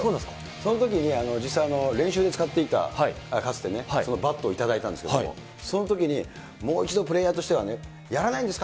そのときに練習で使っていたかつてね、そのバットを頂いたんですけれども、そのときに、もう一度プレーヤーとしては、やらないんですか？